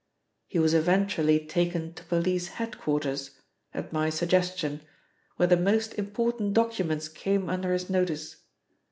He was eventually taken to police head quarters at my suggestion where the most important documents came under his notice.